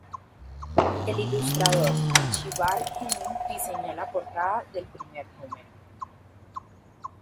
El ilustrador Archibald Henning diseñó la portada del primer número.